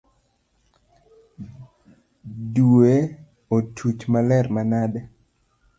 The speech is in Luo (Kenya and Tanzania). Due otuch maler manade .